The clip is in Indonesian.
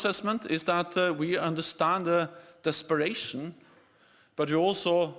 pertama kita harus mencari jalan yang lebih jauh